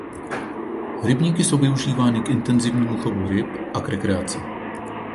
Rybníky jsou využívány k intenzivnímu chovu ryb a k rekreaci.